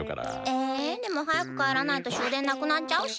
えでもはやくかえらないと終電なくなっちゃうし。